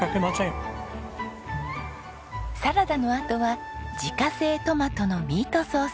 サラダのあとは自家製トマトのミートソース。